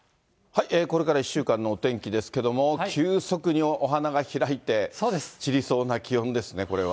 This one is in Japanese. これから１週間のお天気ですけども、急速にお花が開いて、散りそうな気温ですね、これは。